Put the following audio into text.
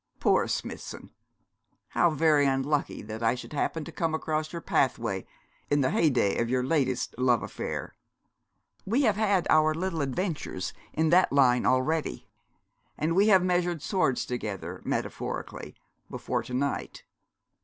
Poor Smithson! How very unlucky that I should happen to come across your pathway in the heyday of your latest love affair. We have had our little adventures in that line already, and we have measured swords together, metaphorically, before to night.